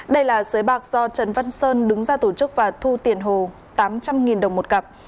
đây là xới bạc do trần văn sơn đứng ra tổ chức và thu tiền hồ tám trăm linh đồng một cặp